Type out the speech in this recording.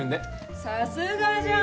さすがじゃん！